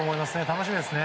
楽しみですね。